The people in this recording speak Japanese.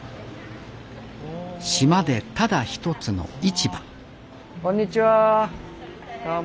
島でただ一つの市場こんにちはどうも。